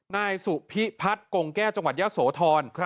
นายสุพิพัฒน์กงแก้วจังหวัดยะโสธร